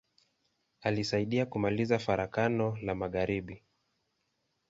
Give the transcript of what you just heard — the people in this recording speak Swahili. Alisaidia kumaliza Farakano la magharibi.